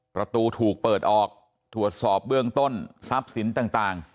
ประตูถูกเปิดออกตรวจสอบเบื้องต้นทรัพย์สินต่าง